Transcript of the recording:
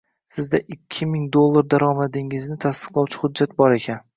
Sizda ikki yuz ming dollar daromadingizni tasdiqlovchi hujjat bor ekan